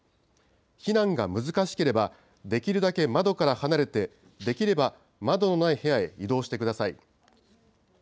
避難が難しければ、できるだけ窓から離れて、できれば窓のない部屋へ移動してください。